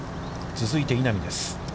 続いて稲見です。